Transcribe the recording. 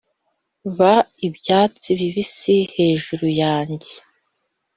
ba ibyatsi bibisi hejuru yanjye